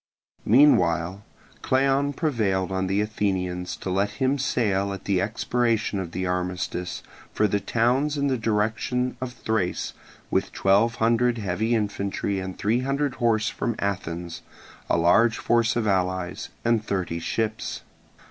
Meanwhile Cleon prevailed on the Athenians to let him set sail at the expiration of the armistice for the towns in the direction of Thrace with twelve hundred heavy infantry and three hundred horse from Athens, a large force of the allies, and thirty ships.